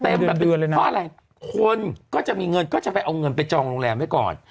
แบบเดือนเลยนะเพราะอะไรคนก็จะมีเงินก็จะไปเอาเงินไปจองโรงแรมไว้ก่อน